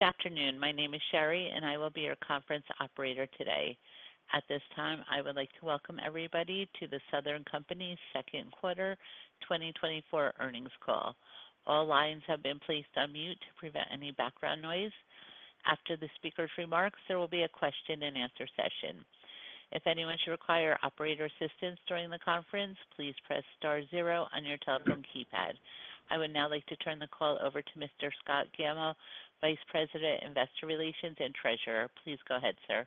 Good afternoon. My name is Sherry, and I will be your conference operator today. At this time, I would like to welcome everybody to The Southern Company's Second Quarter 2024 Earnings Call. All lines have been placed on mute to prevent any background noise. After the speaker's remarks, there will be a question and answer session. If anyone should require operator assistance during the conference, please press star zero on your telephone keypad. I would now like to turn the call over to Mr. Scott Gammill, Vice President, Investor Relations and Treasurer. Please go ahead, sir.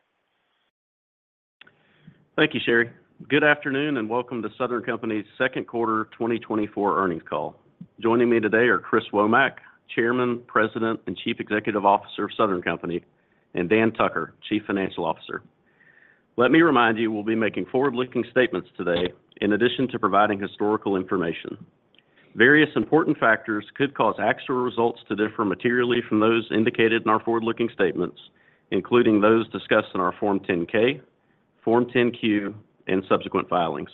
Thank you, Sherry. Good afternoon, and welcome to Southern Company's Second Quarter 2024 Earnings Call. Joining me today are Chris Womack, Chairman, President, and Chief Executive Officer of Southern Company, and Dan Tucker, Chief Financial Officer. Let me remind you, we'll be making forward-looking statements today in addition to providing historical information. Various important factors could cause actual results to differ materially from those indicated in our forward-looking statements, including those discussed in our Form 10-K, Form 10-Q, and subsequent filings.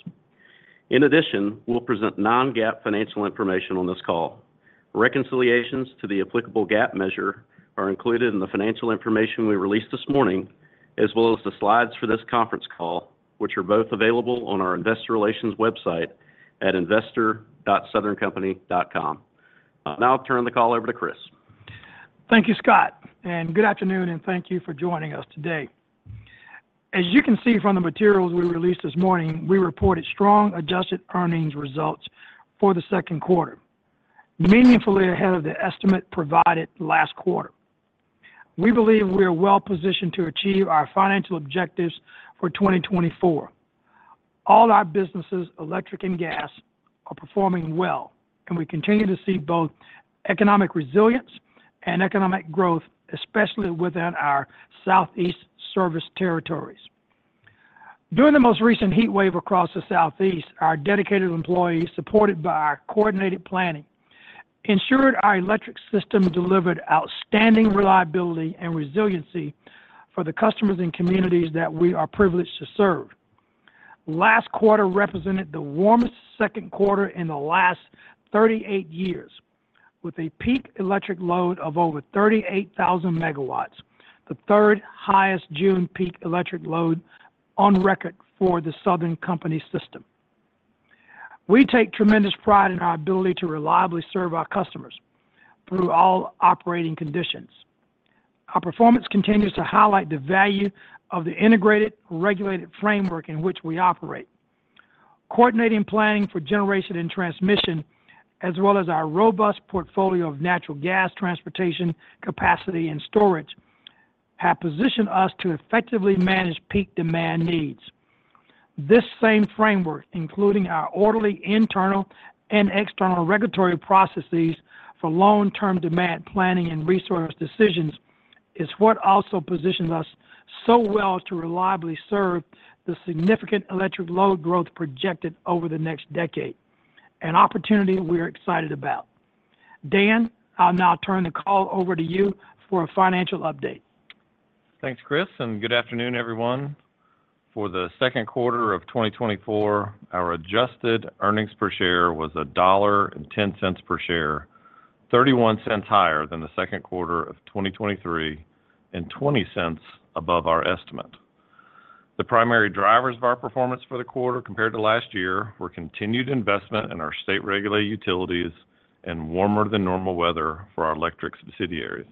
In addition, we'll present non-GAAP financial information on this call. Reconciliations to the applicable GAAP measure are included in the financial information we released this morning, as well as the slides for this conference call, which are both available on our investor relations website at investor.southerncompany.com. Now I'll turn the call over to Chris. Thank you, Scott, and good afternoon, and thank you for joining us today. As you can see from the materials we released this morning, we reported strong adjusted earnings results for the second quarter, meaningfully ahead of the estimate provided last quarter. We believe we are well positioned to achieve our financial objectives for 2024. All our businesses, electric and gas, are performing well, and we continue to see both economic resilience and economic growth, especially within our Southeast service territories. During the most recent heatwave across the Southeast, our dedicated employees, supported by our coordinated planning, ensured our electric system delivered outstanding reliability and resiliency for the customers and communities that we are privileged to serve. Last quarter represented the warmest second quarter in the last 38 years, with a peak electric load of over 38,000 MW, the third highest June peak electric load on record for the Southern Company system. We take tremendous pride in our ability to reliably serve our customers through all operating conditions. Our performance continues to highlight the value of the integrated, regulated framework in which we operate. Coordinating, planning for generation and transmission, as well as our robust portfolio of natural gas transportation, capacity, and storage, have positioned us to effectively manage peak demand needs. This same framework, including our orderly, internal, and external regulatory processes for long-term demand planning and resource decisions, is what also positions us so well to reliably serve the significant electric load growth projected over the next decade, an opportunity we are excited about. Dan, I'll now turn the call over to you for a financial update. Thanks, Chris, and good afternoon, everyone. For the second quarter of 2024, our adjusted earnings per share was $1.10 per share, 31 cents higher than the second quarter of 2023 and 20 cents above our estimate. The primary drivers of our performance for the quarter, compared to last year, were continued investment in our state-regulated utilities and warmer than normal weather for our electric subsidiaries.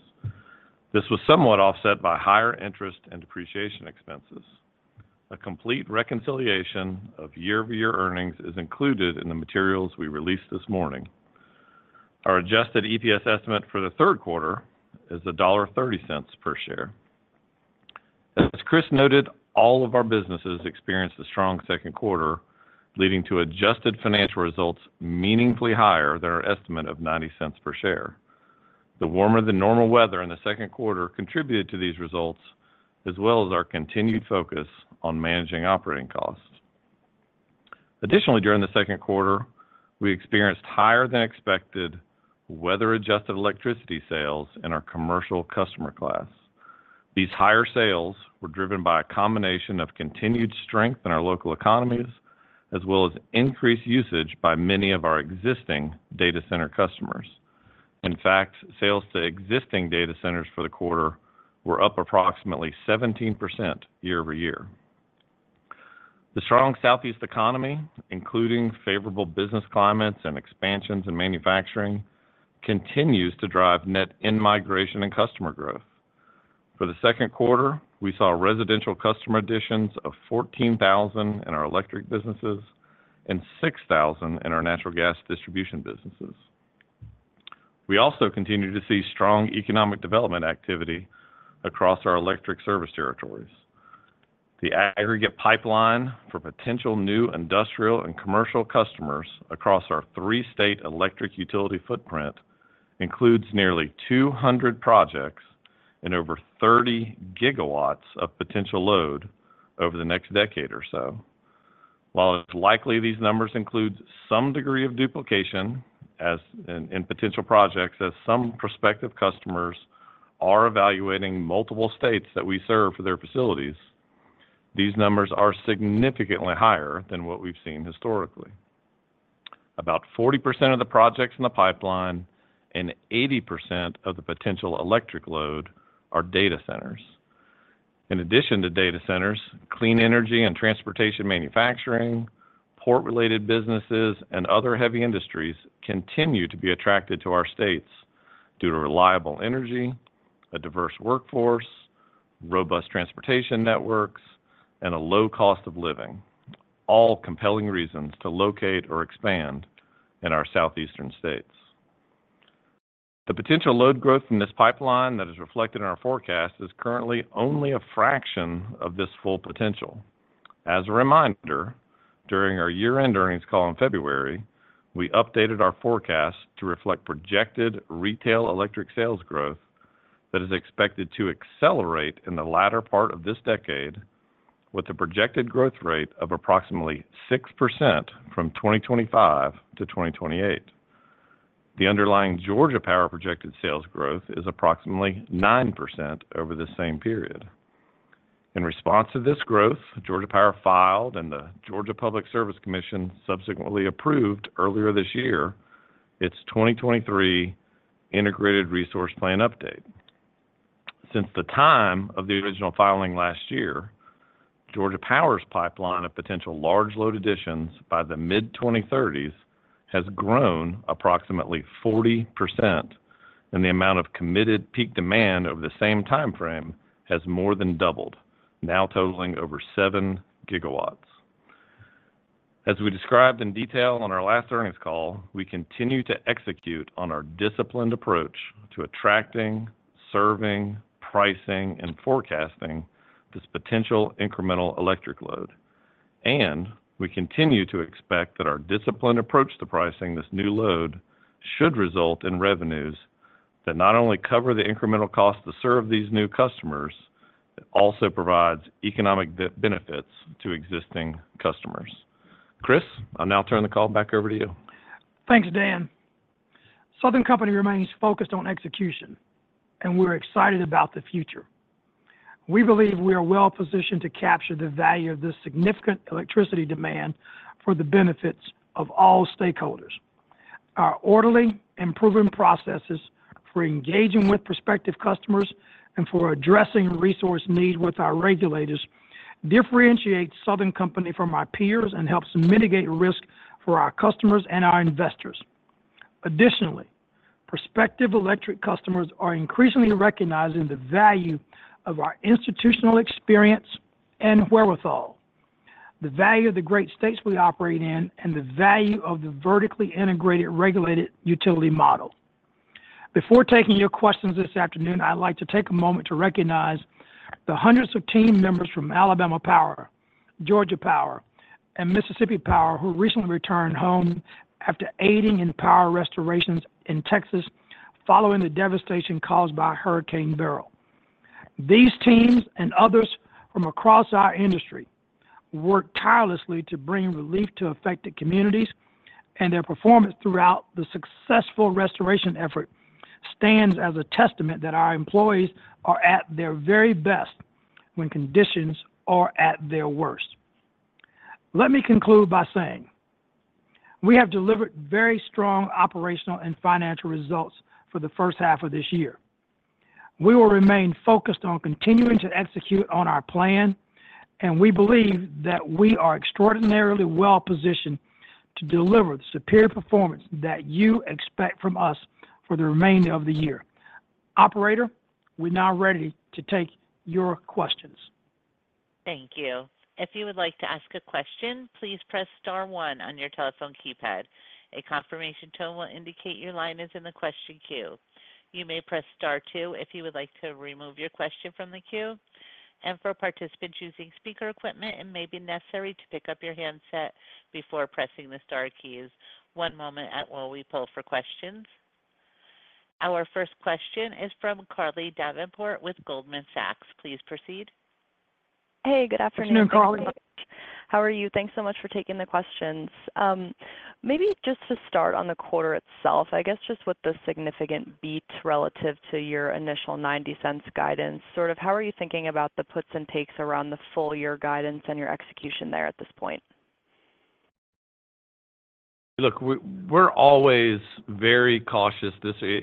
This was somewhat offset by higher interest and depreciation expenses. A complete reconciliation of year-over-year earnings is included in the materials we released this morning. Our adjusted EPS estimate for the third quarter is $1.30 per share. As Chris noted, all of our businesses experienced a strong second quarter, leading to adjusted financial results meaningfully higher than our estimate of 90 cents per share. The warmer than normal weather in the second quarter contributed to these results, as well as our continued focus on managing operating costs. Additionally, during the second quarter, we experienced higher than expected weather-adjusted electricity sales in our commercial customer class. These higher sales were driven by a combination of continued strength in our local economies, as well as increased usage by many of our existing data center customers. In fact, sales to existing data centers for the quarter were up approximately 17% year-over-year. The strong Southeast economy, including favorable business climates and expansions in manufacturing, continues to drive net in-migration and customer growth. For the second quarter, we saw residential customer additions of 14,000 in our electric businesses and 6,000 in our natural gas distribution businesses. We also continue to see strong economic development activity across our electric service territories. The aggregate pipeline for potential new industrial and commercial customers across our three-state electric utility footprint includes nearly 200 projects and over 30 GW of potential load over the next decade or so. While it's likely these numbers include some degree of duplication as in potential projects, as some prospective customers are evaluating multiple states that we serve for their facilities, these numbers are significantly higher than what we've seen historically. About 40% of the projects in the pipeline and 80% of the potential electric load are data centers. In addition to data centers, clean energy and transportation manufacturing, port-related businesses, and other heavy industries continue to be attracted to our states due to reliable energy, a diverse workforce, robust transportation networks, and a low cost of living, all compelling reasons to locate or expand in our southeastern states. The potential load growth from this pipeline that is reflected in our forecast is currently only a fraction of this full potential. As a reminder, during our year-end earnings call in February, we updated our forecast to reflect projected retail electric sales growth that is expected to accelerate in the latter part of this decade, with a projected growth rate of approximately 6% from 2025 to 2028. The underlying Georgia Power projected sales growth is approximately 9% over the same period. In response to this growth, Georgia Power filed, and the Georgia Public Service Commission subsequently approved earlier this year, its 2023 Integrated Resource Plan update. Since the time of the original filing last year, Georgia Power's pipeline of potential large load additions by the mid-2030s has grown approximately 40%, and the amount of committed peak demand over the same time frame has more than doubled, now totaling over 7 GW. As we described in detail on our last earnings call, we continue to execute on our disciplined approach to attracting, serving, pricing, and forecasting this potential incremental electric load. And we continue to expect that our disciplined approach to pricing this new load should result in revenues that not only cover the incremental cost to serve these new customers, it also provides economic benefits to existing customers. Chris, I'll now turn the call back over to you. Thanks, Dan. Southern Company remains focused on execution, and we're excited about the future. We believe we are well positioned to capture the value of this significant electricity demand for the benefits of all stakeholders. Our orderly, improving processes for engaging with prospective customers and for addressing resource need with our regulators, differentiates Southern Company from our peers and helps mitigate risk for our customers and our investors. Additionally, prospective electric customers are increasingly recognizing the value of our institutional experience and wherewithal, the value of the great states we operate in, and the value of the vertically integrated, regulated utility model. Before taking your questions this afternoon, I'd like to take a moment to recognize the hundreds of team members from Alabama Power, Georgia Power, and Mississippi Power, who recently returned home after aiding in power restorations in Texas following the devastation caused by Hurricane Beryl. These teams and others from across our industry worked tirelessly to bring relief to affected communities, and their performance throughout the successful restoration effort stands as a testament that our employees are at their very best when conditions are at their worst. Let me conclude by saying, we have delivered very strong operational and financial results for the first half of this year. We will remain focused on continuing to execute on our plan, and we believe that we are extraordinarily well positioned to deliver the superior performance that you expect from us for the remainder of the year. Operator, we're now ready to take your questions. Thank you. If you would like to ask a question, please press star one on your telephone keypad. A confirmation tone will indicate your line is in the question queue. You may press star two if you would like to remove your question from the queue. And for participants using speaker equipment, it may be necessary to pick up your headset before pressing the star keys. One moment, please, while we pull for questions. Our first question is from Carly Davenport with Goldman Sachs. Please proceed. Hey, good afternoon. Good afternoon, Carly. How are you? Thanks so much for taking the questions. Maybe just to start on the quarter itself, I guess, just with the significant beat relative to your initial $0.90 guidance, sort of how are you thinking about the puts and takes around the full year guidance and your execution there at this point? Look, we're always very cautious.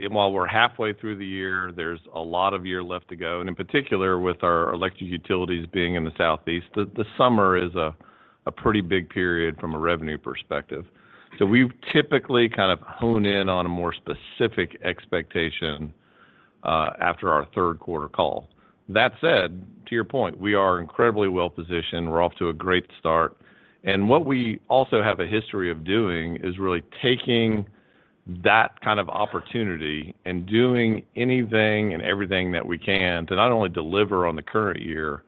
While we're halfway through the year, there's a lot of year left to go, and in particular, with our electric utilities being in the Southeast, the summer is a pretty big period from a revenue perspective. So we've typically kind of honed in on a more specific expectation after our third quarter call. That said, to your point, we are incredibly well positioned. We're off to a great start. And what we also have a history of doing is really taking that kind of opportunity and doing anything and everything that we can to not only deliver on the current year,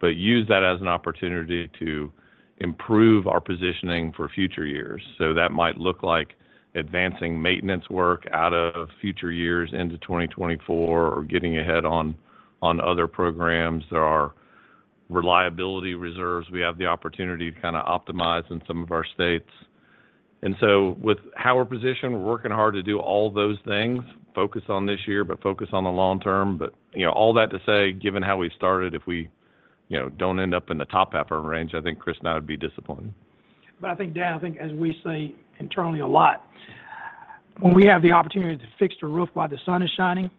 but use that as an opportunity to improve our positioning for future years. So that might look like advancing maintenance work out of future years into 2024 or getting ahead on other programs. There are reliability reserves. We have the opportunity to kinda optimize in some of our states. And so with how we're positioned, we're working hard to do all those things, focus on this year, but focus on the long term. But, you know, all that to say, given how we started, if we, you know, don't end up in the top half of our range, I think Chris and I would be disappointed. But I think, Dan, I think as we say internally a lot, when we have the opportunity to fix the roof while the sun is shining,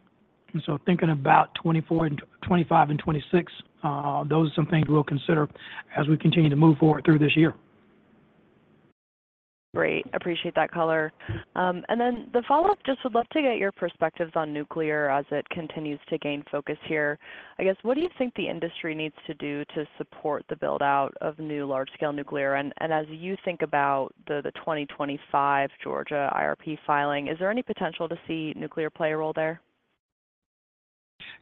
and so thinking about 2024 and 2025 and 2026, those are some things we'll consider as we continue to move forward through this year. Great. Appreciate that color. And then the follow-up, just would love to get your perspectives on nuclear as it continues to gain focus here. I guess, what do you think the industry needs to do to support the build-out of new large-scale nuclear? And, and as you think about the 2025 Georgia IRP filing, is there any potential to see nuclear play a role there?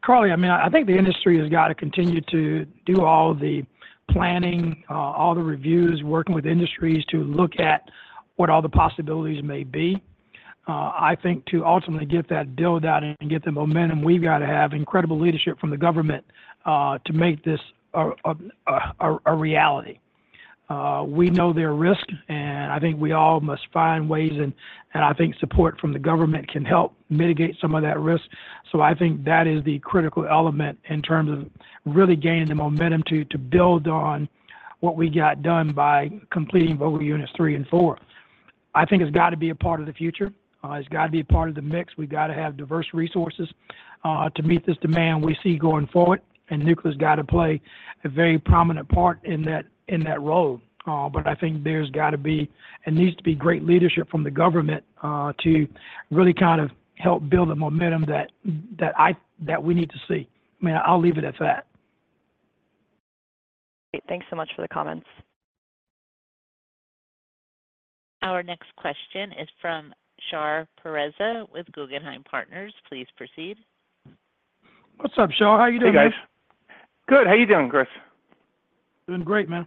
Carly, I mean, I think the industry has got to continue to do all the planning, all the reviews, working with industries to look at what all the possibilities may be. I think to ultimately get that build out and get the momentum, we've got to have incredible leadership from the government, to make this a, a reality. We know there are risks, and I think we all must find ways, and I think support from the government can help mitigate some of that risk. So I think that is the critical element in terms of really gaining the momentum to build on what we got done by completing Vogtle Units 3 and 4. I think it's got to be a part of the future, it's got to be a part of the mix. We've got to have diverse resources to meet this demand we see going forward, and nuclear's got to play a very prominent part in that role. But I think it needs to be great leadership from the government to really kind of help build the momentum that we need to see. I mean, I'll leave it at that. Great. Thanks so much for the comments. Our next question is from Shar Pourreza with Guggenheim Partners. Please proceed. What's up, Shar? How are you doing, guys? Hey, guys. Good. How are you doing, Chris? Doing great, man.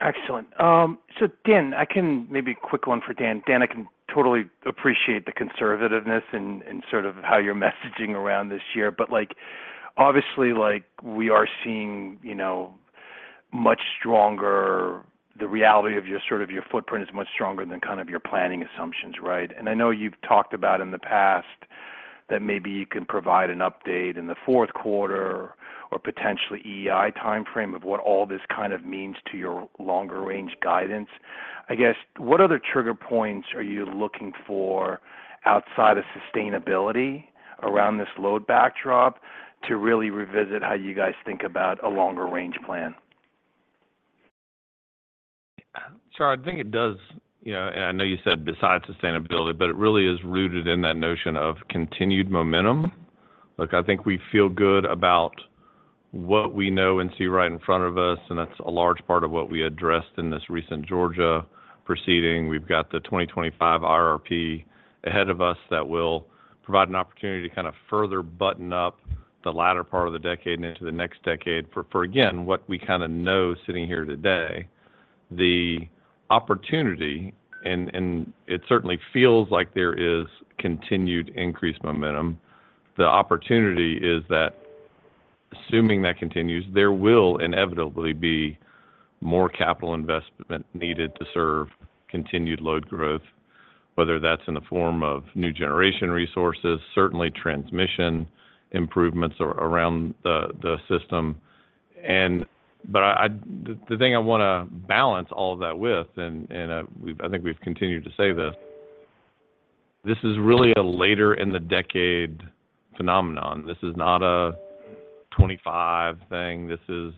Excellent. So Dan, I can maybe a quick one for Dan. Dan, I can totally appreciate the conservativeness and sort of how you're messaging around this year, but, like, obviously, like, we are seeing, you know, much stronger, the reality of your sort of footprint is much stronger than kind of your planning assumptions, right? And I know you've talked about in the past that maybe you can provide an update in the fourth quarter or potentially EI time frame of what all this kind of means to your longer-range guidance. I guess, what other trigger points are you looking for outside of sustainability around this load backdrop to really revisit how you guys think about a longer-range plan? Shar, I think it does. You know, and I know you said besides sustainability, but it really is rooted in that notion of continued momentum. Look, I think we feel good about what we know and see right in front of us, and that's a large part of what we addressed in this recent Georgia proceeding. We've got the 2025 IRP ahead of us that will provide an opportunity to kind of further button up the latter part of the decade and into the next decade for, again, what we kind of know sitting here today. The opportunity, and it certainly feels like there is continued increased momentum. The opportunity is that assuming that continues, there will inevitably be more capital investment needed to serve continued load growth, whether that's in the form of new generation resources, certainly transmission improvements around the system. But the thing I wanna balance all of that with, and I think we've continued to say this: this is really a later in the decade phenomenon. This is not a 2025 thing, this is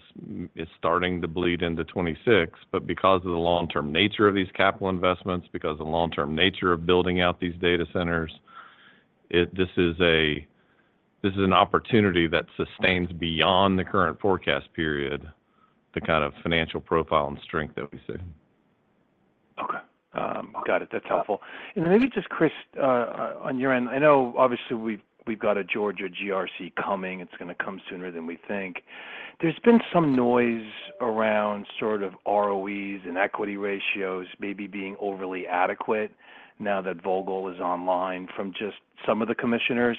it's starting to bleed into 2026, but because of the long-term nature of these capital investments, because of the long-term nature of building out these data centers, this is an opportunity that sustains beyond the current forecast period, the kind of financial profile and strength that we see. Okay. Got it. That's helpful. And then maybe just, Chris, on your end, I know obviously, we've got a Georgia GRC coming. It's gonna come sooner than we think. There's been some noise around sort of ROEs and equity ratios maybe being overly adequate now that Vogtle is online from just some of the commissioners.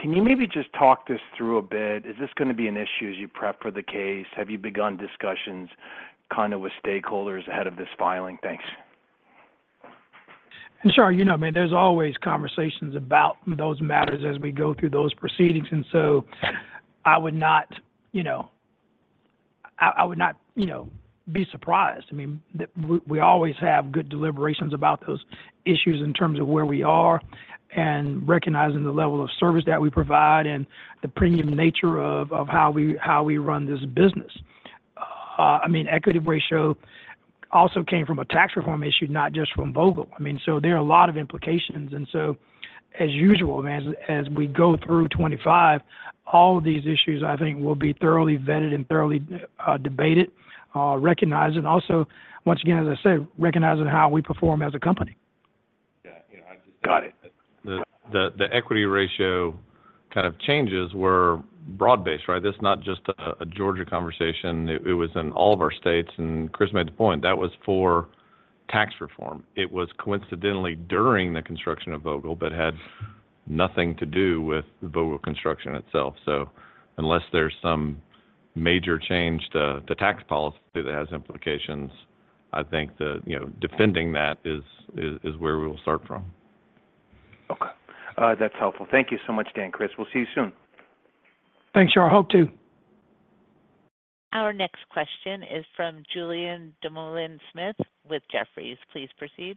Can you maybe just talk this through a bit? Is this gonna be an issue as you prep for the case? Have you begun discussions kind of with stakeholders ahead of this filing? Thanks. Shar, you know, I mean, there's always conversations about those matters as we go through those proceedings, and so I would not, you know, I would not, you know, be surprised. I mean, We always have good deliberations about those issues in terms of where we are and recognizing the level of service that we provide and the premium nature of how we run this business. I mean, equity ratio also came from a tax reform issue, not just from Vogtle. I mean, so there are a lot of implications, and so as usual, as we go through 2025, all of these issues, I think, will be thoroughly vetted and thoroughly debated, recognized, and also, once again, as I said, recognizing how we perform as a company. Yeah, you know, I just- Got it. The equity ratio kind of changes were broad-based, right? This is not just a Georgia conversation. It was in all of our states, and Chris made the point, that was for tax reform. It was coincidentally during the construction of Vogtle, but had nothing to do with the Vogtle construction itself. So unless there's some major change to the tax policy that has implications, I think, you know, defending that is where we will start from.... Okay, that's helpful. Thank you so much, Dan, Chris. We'll see you soon. Thanks, Shar. I hope, too. Our next question is from Julien Dumoulin-Smith with Jefferies. Please proceed.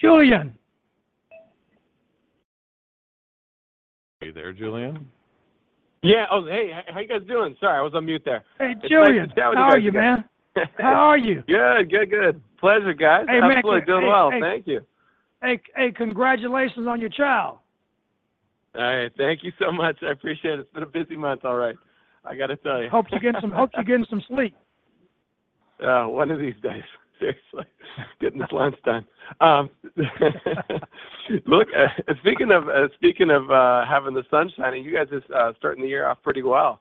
Julien! Are you there, Julien? Yeah. Oh, hey, how you guys doing? Sorry, I was on mute there. Hey, Julien, how are you, man? How are you? Good, good, good. Pleasure, guys. Hey, man- Absolutely doing well. Thank you. Hey, hey, congratulations on your child. All right. Thank you so much. I appreciate it. It's been a busy month, all right, I got to tell you. Hope you're getting some sleep. One of these days, seriously, getting this lunchtime. Look, speaking of having the sun shining, you guys are starting the year off pretty well.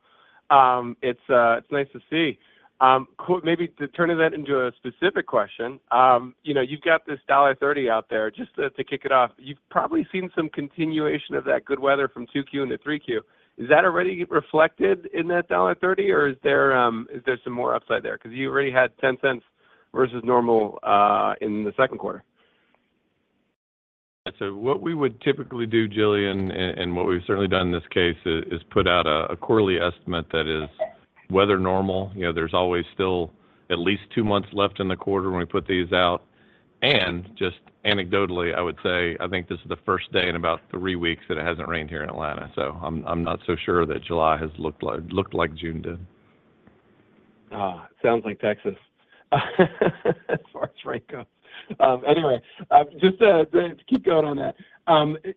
It's nice to see. Maybe to turning that into a specific question, you know, you've got this $1.30 out there. Just to kick it off, you've probably seen some continuation of that good weather from 2Q into 3Q. Is that already reflected in that $1.30, or is there some more upside there? 'Cause you already had $0.10 versus normal in the second quarter. So what we would typically do, Julien, and what we've certainly done in this case, is put out a quarterly estimate that is weather normal. You know, there's always still at least two months left in the quarter when we put these out. And just anecdotally, I would say, I think this is the first day in about three weeks that it hasn't rained here in Atlanta, so I'm not so sure that July has looked like June did. Ah, sounds like Texas, as far as rain goes. Anyway, just to keep going on that,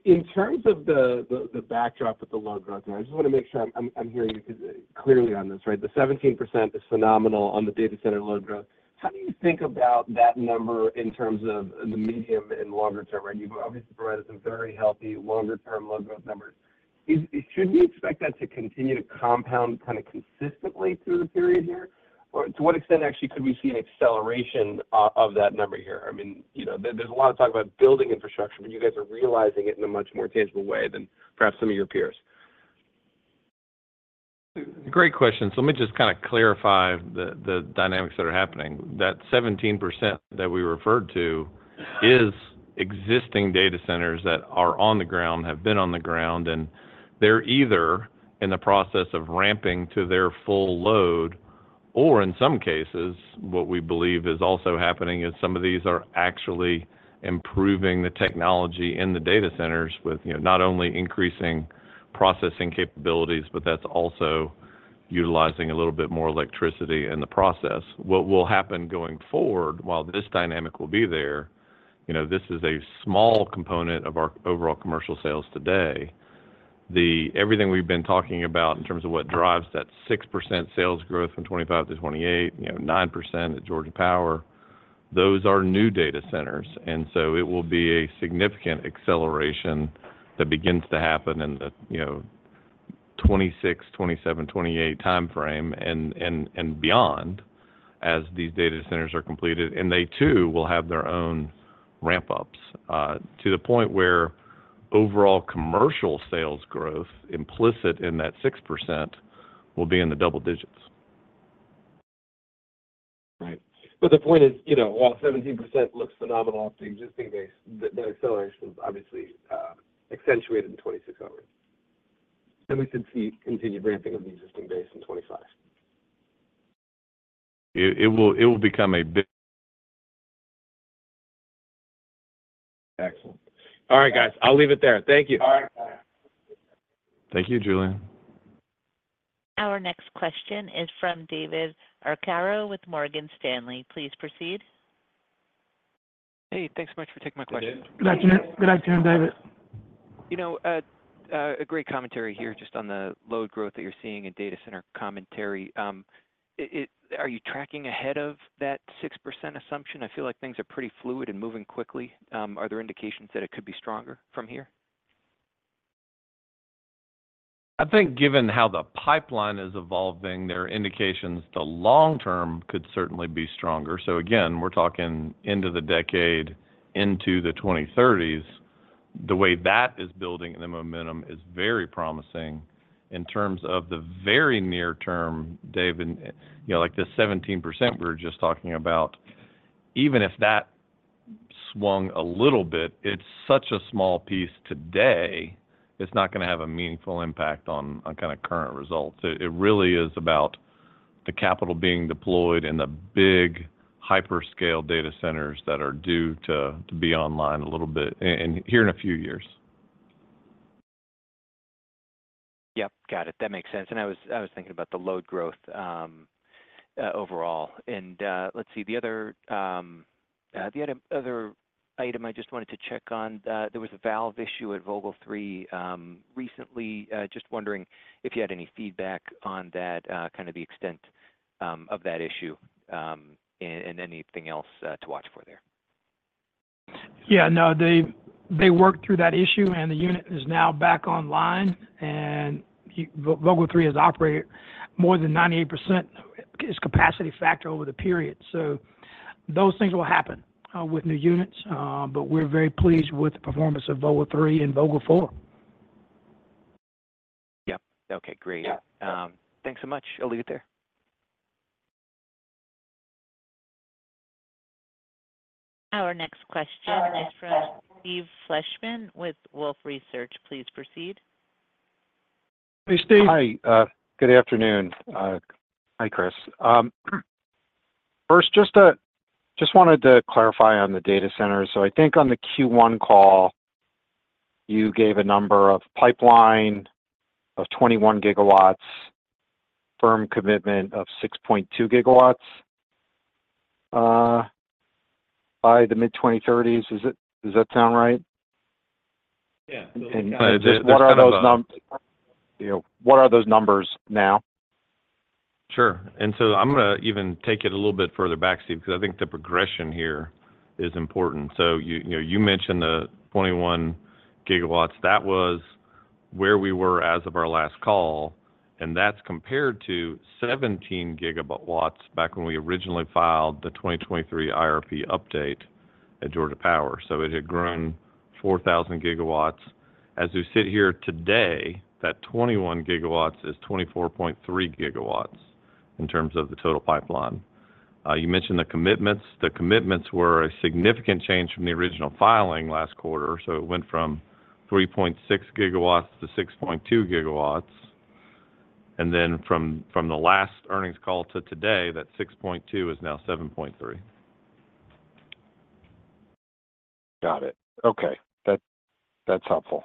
in terms of the backdrop of the load growth, I just wanna make sure I'm hearing you clearly on this, right? The 17% is phenomenal on the data center load growth. How do you think about that number in terms of the medium and longer term, right? You've obviously provided some very healthy longer-term load growth numbers. Should we expect that to continue to compound kind of consistently through the period here? Or to what extent, actually, could we see an acceleration of that number here? I mean, you know, there's a lot of talk about building infrastructure, but you guys are realizing it in a much more tangible way than perhaps some of your peers. Great question. So let me just kind of clarify the dynamics that are happening. That 17% that we referred to is existing data centers that are on the ground, have been on the ground, and they're either in the process of ramping to their full load, or in some cases, what we believe is also happening is some of these are actually improving the technology in the data centers with, you know, not only increasing processing capabilities, but that's also utilizing a little bit more electricity in the process. What will happen going forward, while this dynamic will be there, you know, this is a small component of our overall commercial sales today. Everything we've been talking about in terms of what drives that 6% sales growth from 2025 to 2028, you know, 9% at Georgia Power, those are new data centers, and so it will be a significant acceleration that begins to happen in the, you know, 2026, 2027, 2028 time frame and beyond, as these data centers are completed, and they, too, will have their own ramp-ups to the point where overall commercial sales growth, implicit in that 6%, will be in the double digits. Right. But the point is, you know, while 17% looks phenomenal off the existing base, the acceleration is obviously accentuated in 2026 onwards, and we should see continued ramping of the existing base in 2025. It will become a bit- Excellent. All right, guys, I'll leave it there. Thank you. All right. Thank you, Julien. Our next question is from David Arcaro with Morgan Stanley. Please proceed. Hey, thanks so much for taking my question. Good afternoon, David. You know, a great commentary here just on the load growth that you're seeing in data center commentary. Are you tracking ahead of that 6% assumption? I feel like things are pretty fluid and moving quickly. Are there indications that it could be stronger from here? I think given how the pipeline is evolving, there are indications the long term could certainly be stronger. So again, we're talking into the decade, into the 2030s. The way that is building and the momentum is very promising. In terms of the very near term, David, and, you know, like the 17% we were just talking about, even if that swung a little bit, it's such a small piece today, it's not gonna have a meaningful impact on, on kind of current results. It, it really is about the capital being deployed in the big hyperscale data centers that are due to, to be online a little bit, in, in here in a few years. Yep, got it. That makes sense. And I was thinking about the load growth overall. And, let's see. The other item I just wanted to check on, there was a valve issue at Vogtle 3 recently. Just wondering if you had any feedback on that, kind of the extent of that issue, and anything else to watch for there? Yeah, no, they worked through that issue, and the unit is now back online, and Vogtle 3 has operated more than 98% its capacity factor over the period. So those things will happen with new units, but we're very pleased with the performance of Vogtle 3 and Vogtle 4. Yep. Okay, great. Yeah. Thanks so much. I'll leave it there. Our next question is from Steve Fleishman with Wolfe Research. Please proceed. Hey, Steve. Hi, good afternoon. Hi, Chris. First, just wanted to clarify on the data center. So I think on the Q1 call, you gave a number of pipeline of 21 GW, firm commitment of 6.2 GW, by the mid-2030s. Does that sound right? Yeah. What are those numbers, you know, what are those numbers now? Sure. So I'm going to even take it a little bit further back, Steve, because I think the progression here is important. So you know, you mentioned the 21 GW. That was where we were as of our last call, and that's compared to 17 GW back when we originally filed the 2023 IRP update at Georgia Power. So it had grown 4,000 GW. As we sit here today, that 21 GW is 24.3 GW in terms of the total pipeline. You mentioned the commitments. The commitments were a significant change from the original filing last quarter, so it went from 3.6 GW to 6.2 GW. And then from, from the last earnings call to today, that 6.2 is now 7.3. Got it. Okay, that's helpful.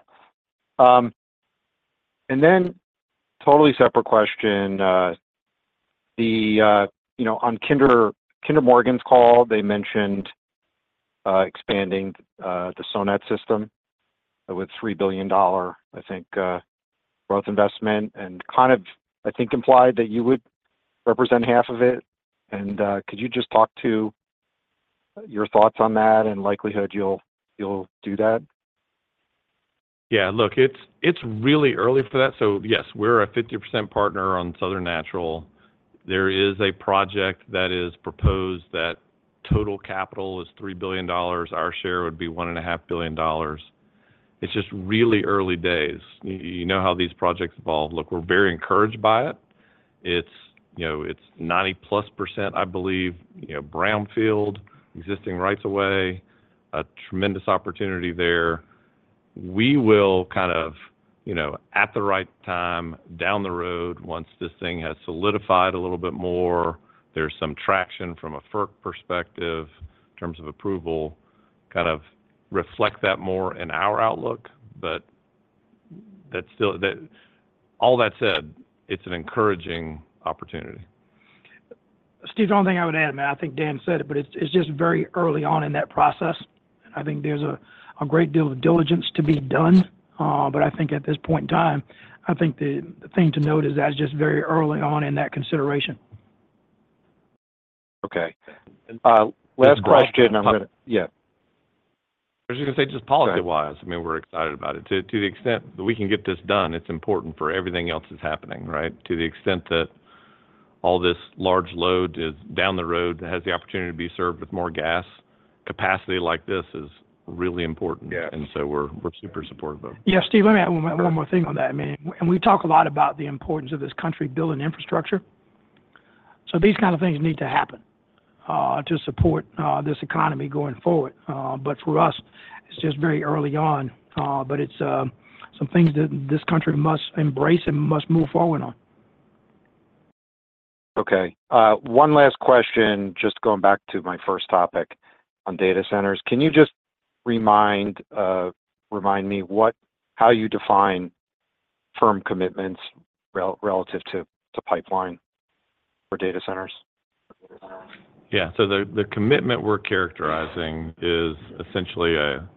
And then, totally separate question, you know, on Kinder Morgan's call, they mentioned expanding the SONAT system with $3 billion, I think, growth investment, and kind of, I think, implied that you would represent half of it. And could you just talk to your thoughts on that and likelihood you'll do that? Yeah, look, it's really early for that, so yes, we're a 50% partner on Southern Natural. There is a project that is proposed that total capital is $3 billion. Our share would be $1.5 billion. It's just really early days. You know how these projects evolve. Look, we're very encouraged by it. It's, you know, it's 90%+, I believe, you know, brownfield, existing rights-of-way, a tremendous opportunity there. We will kind of, you know, at the right time, down the road, once this thing has solidified a little bit more, there's some traction from a FERC perspective in terms of approval, kind of reflect that more in our outlook. But that's still, that, all that said, it's an encouraging opportunity. Steve, the only thing I would add, man, I think Dan said it, but it's just very early on in that process. I think there's a great deal of diligence to be done, but I think at this point in time, I think the thing to note is that's just very early on in that consideration. Okay. Last question, I'm gonna... Yeah. As you can see, just policy-wise, I mean, we're excited about it. To the extent that we can get this done, it's important for everything else that's happening, right? To the extent that all this large load is down the road, has the opportunity to be served with more gas, capacity like this is really important. Yeah. And so we're super supportive of it. Yeah, Steve, let me add one more, one more thing on that. I mean, and we talk a lot about the importance of this country building infrastructure. So these kinds of things need to happen to support this economy going forward. But for us, it's just very early on, but it's some things that this country must embrace and must move forward on. Okay, one last question, just going back to my first topic on data centers. Can you just remind me how you define firm commitments relative to pipeline for data centers? Yeah. So the commitment we're characterizing is essentially a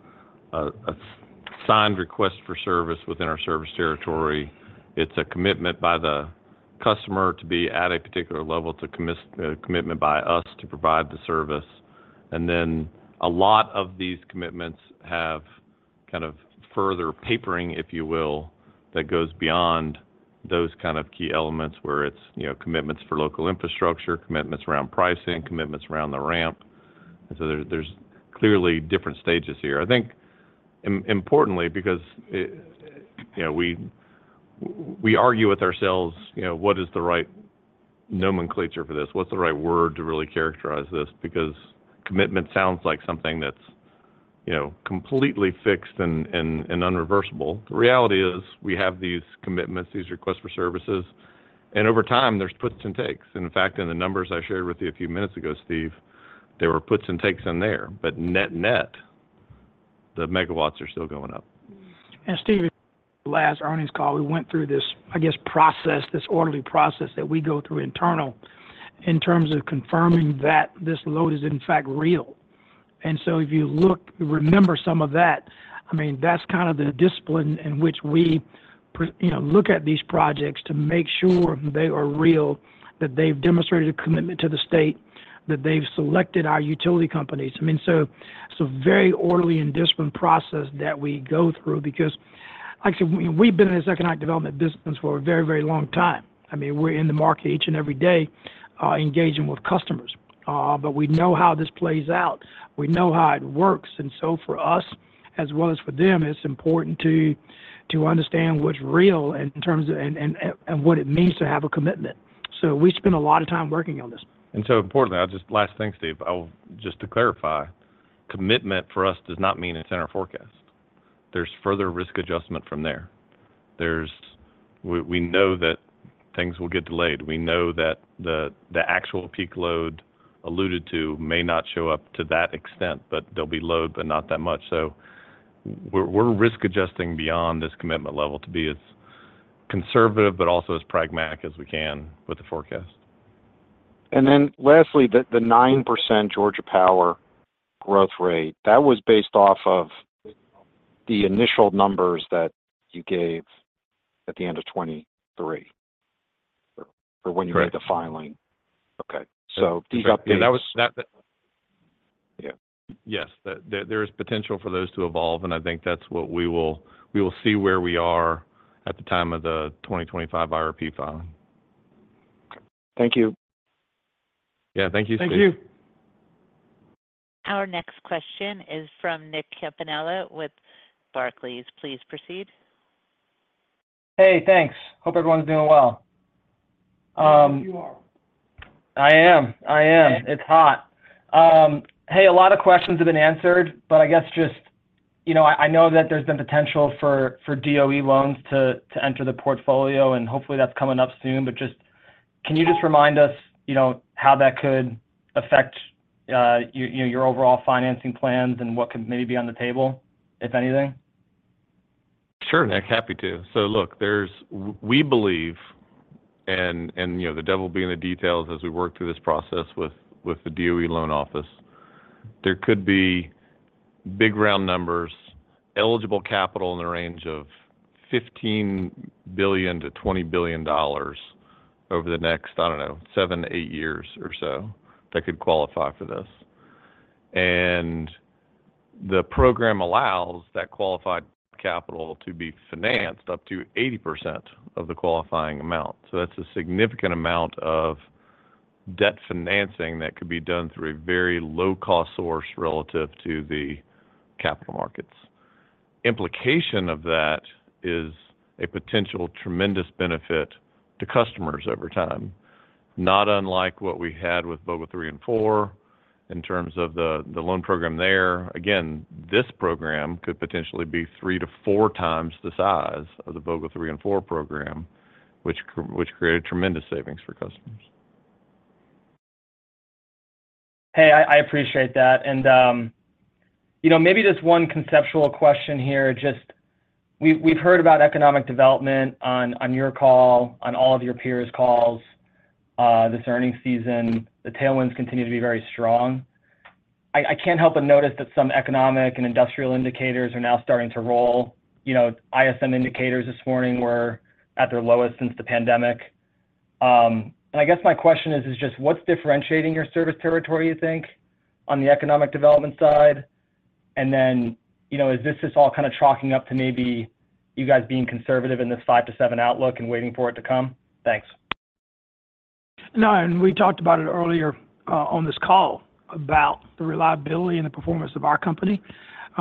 signed request for service within our service territory. It's a commitment by the customer to be at a particular level, it's a commitment by us to provide the service. And then a lot of these commitments have kind of further papering, if you will, that goes beyond those kind of key elements where it's, you know, commitments for local infrastructure, commitments around pricing, commitments around the ramp. And so there, there's clearly different stages here. I think importantly, because, you know, we argue with ourselves, you know, what is the right nomenclature for this? What's the right word to really characterize this? Because commitment sounds like something that's, you know, completely fixed and unreversible. The reality is, we have these commitments, these requests for services, and over time, there's puts and takes. In fact, in the numbers I shared with you a few minutes ago, Steve, there were puts and takes in there. But net-net, the megawatts are still going up. And Steve, last earnings call, we went through this, I guess, process, this orderly process that we go through internal, in terms of confirming that this load is in fact real. And so if you look, remember some of that, I mean, that's kind of the discipline in which we, you know, look at these projects to make sure they are real, that they've demonstrated a commitment to the state, that they've selected our utility companies. I mean, so it's a very orderly and disciplined process that we go through because, like I said, we've been in this economic development business for a very, very long time. I mean, we're in the market each and every day, engaging with customers. But we know how this plays out. We know how it works. And so for us-... as well as for them, it's important to understand what's real in terms of and what it means to have a commitment. So we spend a lot of time working on this. And so importantly, just last thing, Steve. Just to clarify, commitment for us does not mean it's in our forecast. There's further risk adjustment from there. We know that things will get delayed. We know that the actual peak load alluded to may not show up to that extent, but there'll be load, but not that much. So we're risk adjusting beyond this commitment level to be as conservative but also as pragmatic as we can with the forecast. And then lastly, the 9% Georgia Power growth rate, that was based off of the initial numbers that you gave at the end of 2023? Correct. Or when you made the filing. Okay. So these updates- And that was that the- Yeah. Yes, there is potential for those to evolve, and I think that's what we will see where we are at the time of the 2025 IRP filing. Thank you. Yeah, thank you, Steve. Thank you. Our next question is from Nick Campanella with Barclays. Please proceed. Hey, thanks. Hope everyone's doing well. Yes, we are. I am. It's hot. Hey, a lot of questions have been answered, but I guess just, you know, I know that there's been potential for DOE loans to enter the portfolio, and hopefully that's coming up soon. But just can you just remind us, you know, how that could affect, you know, your overall financing plans and what could maybe be on the table, if anything? Sure, Nick. Happy to. So look, there we believe, and you know, the devil will be in the details as we work through this process with the DOE loan office. There could be big round numbers, eligible capital in the range of $15 billion-$20 billion over the next, I don't know, seven to eight years or so, that could qualify for this. And the program allows that qualified capital to be financed up to 80% of the qualifying amount. So that's a significant amount of debt financing that could be done through a very low-cost source relative to the capital markets. Implication of that is a potential tremendous benefit to customers over time, not unlike what we had with Vogtle three and four, in terms of the loan program there. Again, this program could potentially be 3-4 times the size of the Vogtle 3 and 4 program, which created tremendous savings for customers. Hey, I appreciate that. And, you know, maybe just one conceptual question here. Just, we've heard about economic development on your call, on all of your peers' calls, this earnings season. The tailwinds continue to be very strong. I can't help but notice that some economic and industrial indicators are now starting to roll. You know, ISM indicators this morning were at their lowest since the pandemic. And I guess my question is just what's differentiating your service territory, you think, on the economic development side? And then, you know, is this just all kind of chalking up to maybe you guys being conservative in this five to seven outlook and waiting for it to come? Thanks. No, and we talked about it earlier, on this call, about the reliability and the performance of our company,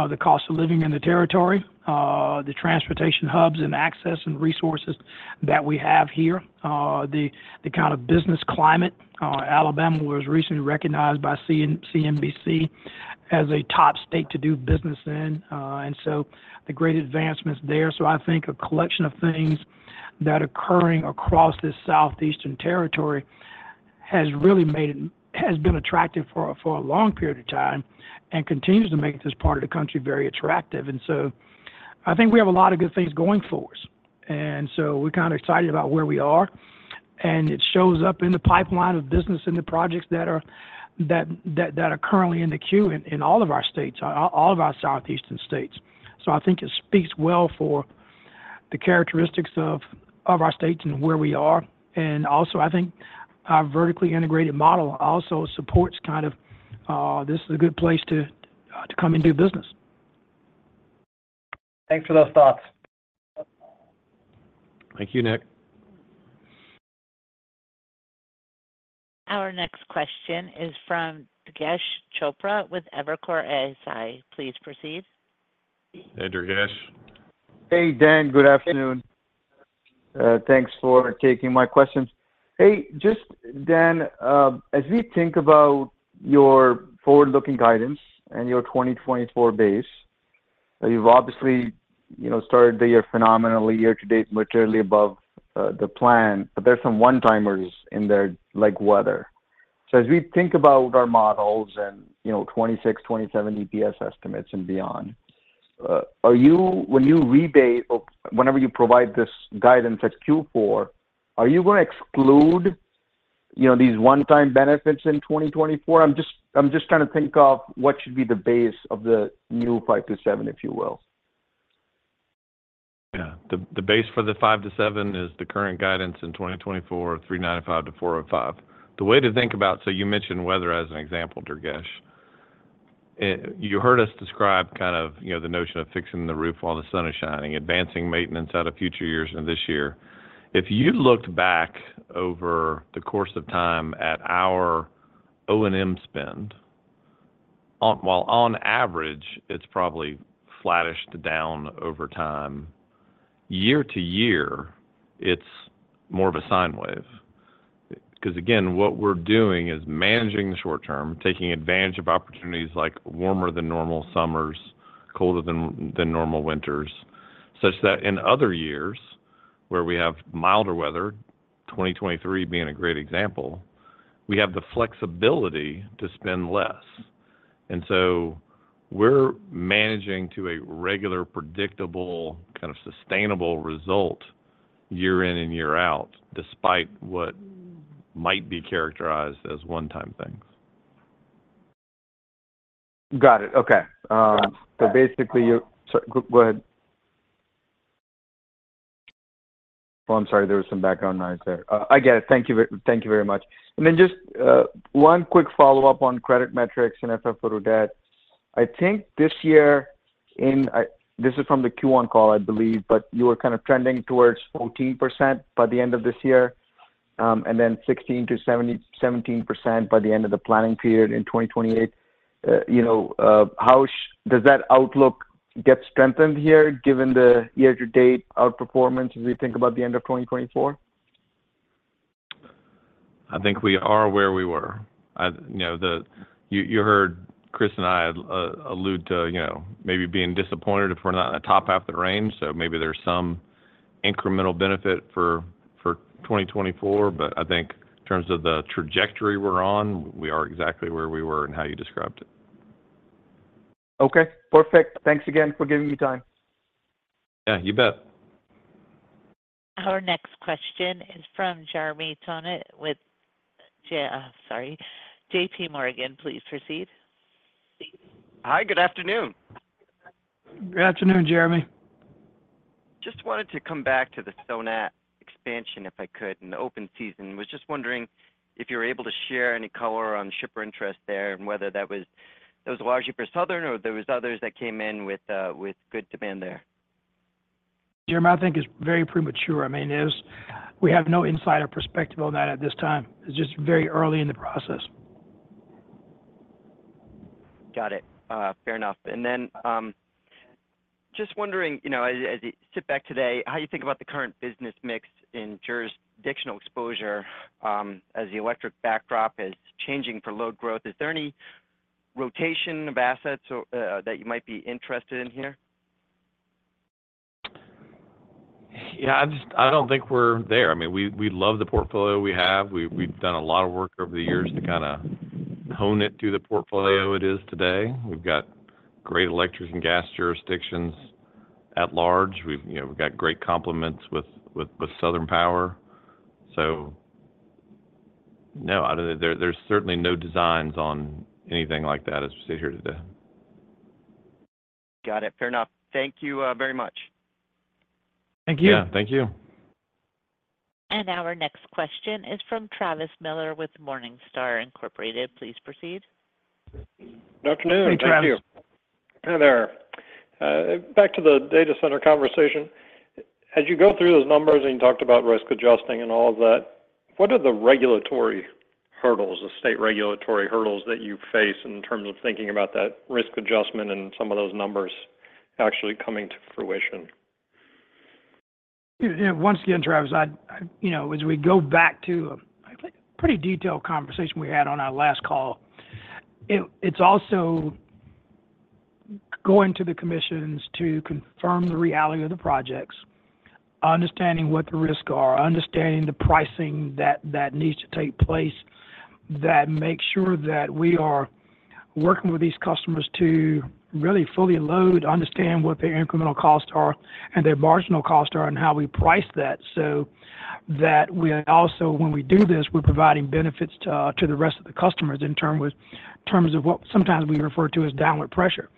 the cost of living in the territory, the transportation hubs and access and resources that we have here, the, the kind of business climate. Alabama was recently recognized by CNBC as a top state to do business in, and so the great advancements there. So I think a collection of things that are occurring across this Southeastern territory has really made it-- has been attractive for a, for a long period of time and continues to make this part of the country very attractive. And so I think we have a lot of good things going for us, and so we're kind of excited about where we are, and it shows up in the pipeline of business and the projects that are currently in the queue in all of our states, all of our southeastern states. So I think it speaks well for the characteristics of our state and where we are. And also, I think our vertically integrated model also supports kind of this is a good place to come and do business. Thanks for those thoughts. Thank you, Nick. Our next question is from Durgesh Chopra with Evercore ISI. Please proceed. Hey, Durgesh. Hey, Dan. Good afternoon. Thanks for taking my questions. Hey, just, Dan, as we think about your forward-looking guidance and your 2024 base, you've obviously, you know, started the year phenomenally, year to date, materially above the plan, but there's some one-timers in there, like weather. So as we think about our models and, you know, 2026, 2027 EPS estimates and beyond, are you, when you rebase or whenever you provide this guidance at Q4, are you gonna exclude, you know, these one-time benefits in 2024? I'm just, I'm just trying to think of what should be the base of the new 5 to 7, if you will. Yeah. The base for the 5-7 is the current guidance in 2024, $3.95-$4.05. The way to think about, so you mentioned weather as an example, Durgesh. You heard us describe kind of, you know, the notion of fixing the roof while the sun is shining, advancing maintenance out of future years and this year. If you looked back over the course of time at our O&M spend, while on average, it's probably flattish to down over time, year to year, it's more of a sine wave. 'Cause again, what we're doing is managing the short term, taking advantage of opportunities like warmer than normal summers, colder than normal winters, such that in other years where we have milder weather, 2023 being a great example, we have the flexibility to spend less. And so we're managing to a regular, predictable, kind of sustainable result year in and year out, despite what might be characterized as one-time things. Got it. Okay. So basically—Sorry, go ahead. Oh, I'm sorry, there was some background noise there. I get it. Thank you very, thank you very much. And then just, one quick follow-up on credit metrics and FFO to debt. I think this year in—this is from the Q1 call, I believe, but you were kind of trending towards 14% by the end of this year, and then 16%-17% by the end of the planning period in 2028. You know, how—Does that outlook get strengthened here, given the year-to-date outperformance as we think about the end of 2024? I think we are where we were. You know, you heard Chris and I allude to, you know, maybe being disappointed if we're not in the top half of the range, so maybe there's some incremental benefit for 2024. But I think in terms of the trajectory we're on, we are exactly where we were and how you described it. Okay, perfect. Thanks again for giving me time. Yeah, you bet. Our next question is from Jeremy Tonet with J.P. Morgan. Please proceed. Hi, good afternoon. Good afternoon, Jeremy. Just wanted to come back to the SONAT expansion, if I could, and the open season. Was just wondering if you were able to share any color on shipper interest there and whether that was, that was largely for Southern or there was others that came in with, with good demand there? Jeremy, I think it's very premature. I mean, it is. We have no insight or perspective on that at this time. It's just very early in the process. Got it. Fair enough. And then, just wondering, you know, as, as you sit back today, how you think about the current business mix in jurisdictional exposure, as the electric backdrop is changing for load growth? Is there any rotation of assets or, that you might be interested in here? Yeah, I just, I don't think we're there. I mean, we love the portfolio we have. We've done a lot of work over the years to kinda hone it to the portfolio it is today. We've got great electric and gas jurisdictions at large. You know, we've got great complements with Southern Power. So, no, I don't think... There's certainly no designs on anything like that as we sit here today. Got it. Fair enough. Thank you, very much. Thank you. Yeah, thank you. Our next question is from Travis Miller with Morningstar, Inc. Please proceed. Good afternoon. Hey, Travis. Hi there. Back to the data center conversation. As you go through those numbers, and you talked about risk adjusting and all of that, what are the regulatory hurdles, the state regulatory hurdles that you face in terms of thinking about that risk adjustment and some of those numbers actually coming to fruition? Yeah, once again, Travis, you know, as we go back to a pretty detailed conversation we had on our last call, it's also going to the commissions to confirm the reality of the projects, understanding what the risks are, understanding the pricing that needs to take place, that makes sure that we are working with these customers to really fully load, understand what their incremental costs are and their marginal costs are, and how we price that, so that we also, when we do this, we're providing benefits to the rest of the customers in terms of what sometimes we refer to as downward pressure.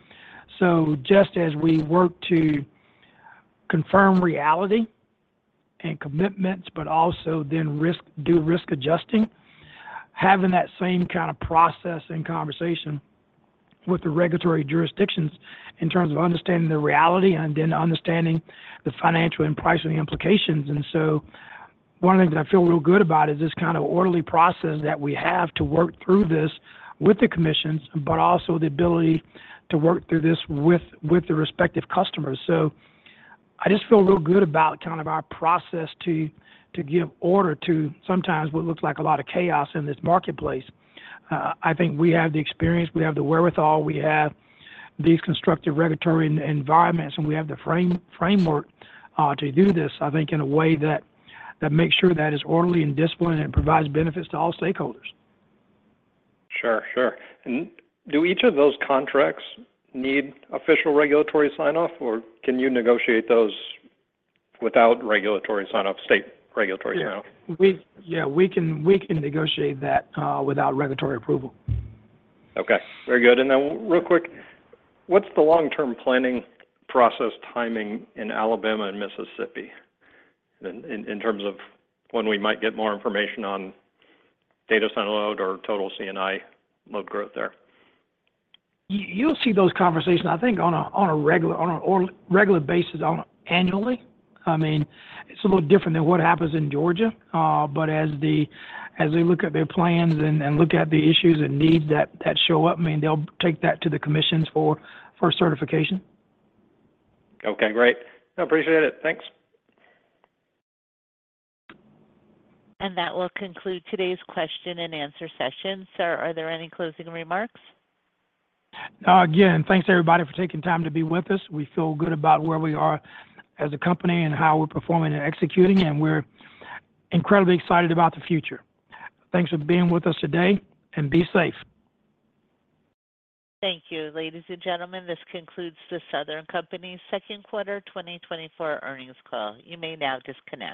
So just as we work to confirm reality and commitments, but also then risk, do risk adjusting, having that same kind of process and conversation with the regulatory jurisdictions in terms of understanding the reality and then understanding the financial and pricing implications. And so one of the things I feel real good about is this kind of orderly process that we have to work through this with the commissions, but also the ability to work through this with, with the respective customers. So I just feel real good about kind of our process to, to give order to sometimes what looks like a lot of chaos in this marketplace. I think we have the experience, we have the wherewithal, we have these constructive regulatory environments, and we have the framework to do this, I think, in a way that makes sure that it's orderly and disciplined and provides benefits to all stakeholders. Sure, sure. And do each of those contracts need official regulatory sign-off, or can you negotiate those without regulatory sign-off, state regulatory sign-off? Yeah. We can negotiate that without regulatory approval. Okay. Very good. And then real quick, what's the long-term planning process timing in Alabama and Mississippi, in terms of when we might get more information on data center load or total CNI load growth there? You'll see those conversations, I think, on a regular basis annually. I mean, it's a little different than what happens in Georgia, but as they look at their plans and look at the issues and needs that show up, I mean, they'll take that to the commissions for certification. Okay, great. I appreciate it. Thanks. That will conclude today's question and answer session. Sir, are there any closing remarks? Again, thanks, everybody, for taking time to be with us. We feel good about where we are as a company and how we're performing and executing, and we're incredibly excited about the future. Thanks for being with us today, and be safe. Thank you, ladies and gentlemen. This concludes the Southern Company's second quarter 2024 earnings call. You may now disconnect.